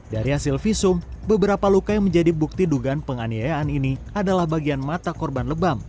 dari hasil visum beberapa luka yang menjadi bukti dugaan penganiayaan ini adalah bagian mata korban lebam